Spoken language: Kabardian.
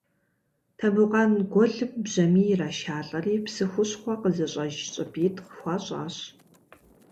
Тамбукъан гуэлым бжьамий ирашалӏэри псы хущхъуэ къызыщӏэж щӏыпӏитӏ хуащӏащ.